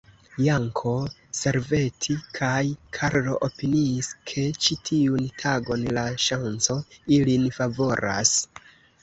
Janko, Servetti kaj Karlo opiniis, ke ĉi tiun tagon la ŝanco ilin favoras.